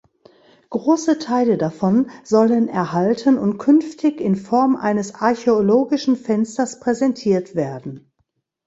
Große Teile davon sollen erhalten und künftig in Form eines "archäologischen Fensters" präsentiert werden.